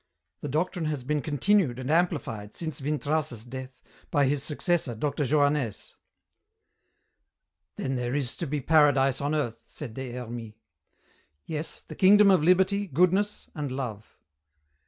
The doctrine has been continued and amplified, since Vintras's death, by his successor, Dr. Johannès." "Then there is to be Paradise on earth," said Des Hermies. "Yes, the kingdom of liberty, goodness, and love."